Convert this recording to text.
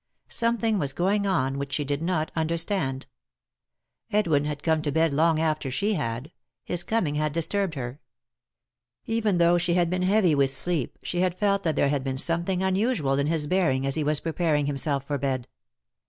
Something was going on which she did not understand. Edwin had come to bed long after she had ; his coming had disturbed her. Even though she had been heavy with sleep she had felt that there had been something unusual in his bearing as he was preparing himself for bed.